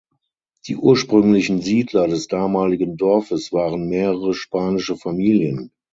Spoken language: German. Die ursprünglichen Siedler des damaligen Dorfes waren mehrere spanische Familien.